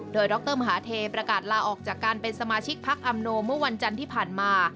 โดยดรมหาเทประกาศลาออกจากการเป็นสมาชิกพักอำโนเมื่อวันจันทร์ที่ผ่านมา